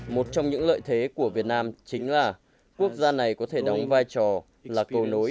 một trong những lợi thế của việt nam chính là quốc gia này có thể đóng vai trò là cầu nối